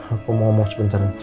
aku mau ngomong sebentar